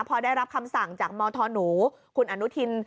พอได้รับคำสั่งจากมธหนูคุณอนุทิน